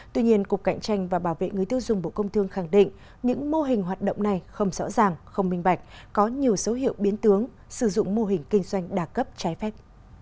tuy nhiên cục cạnh tranh và bảo vệ người tiêu dùng bộ công thương khẳng định những mô hình hoạt động này không rõ ràng không minh bạch có nhiều số hiệu biến tướng sử dụng mô hình kinh doanh đa cấp trái phép